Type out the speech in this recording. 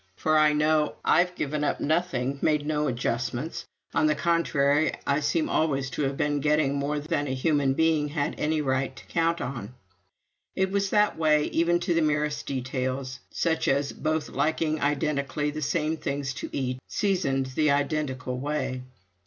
For I know I've given up nothing, made no 'adjustments.' On the contrary, I seem always to have been getting more than a human being had any right to count on." It was that way, even to the merest details, such as both liking identically the same things to eat, seasoned the identical way.